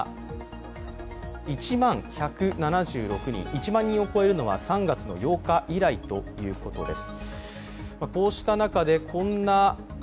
１万人を超えるのは３月８日以来ということです。